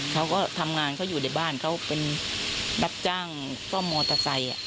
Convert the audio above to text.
เขาก็ทำงานเขาอยู่ในบ้านเขาเป็นรับจ้างซ่อมมอเตอร์ไซค์